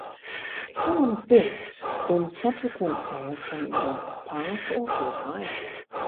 If someone bids, then subsequent players can either pass or bid higher.